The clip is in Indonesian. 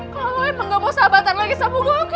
kalau emang gak mau sahabatan lagi sama gue